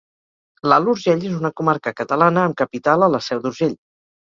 L'Alt Urgell és una comarca catalana amb capital a la Seu d'Urgell.